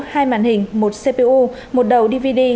hai màn hình một cpu một đầu dvd